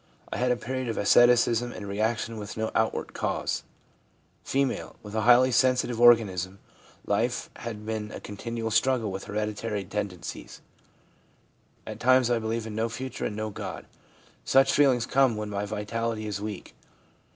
I had a period of asceticism and reaction, with no out ward cause/ F. ' With a highly sensitive organism, life has been a continual struggle with hereditary ADOLESCENCE— ALIENATION 247 tendencies. At times I believe in no future and no God. Such feelings come when my vitality is weak.